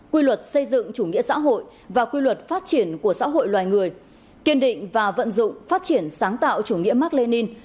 quy luật xây dựng chủ nghĩa xã hội và quy luật phát triển của xã hội loài người kiên định và vận dụng phát triển sáng tạo chủ nghĩa mark lenin